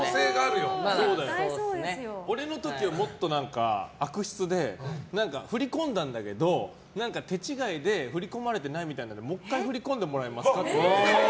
俺の時はもっと悪質で振り込んだんだけど手違いで振り込まれてないからもう１回振り込んでもらえますかって。